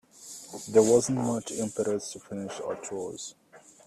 There wasn't much impetus to finish our chores.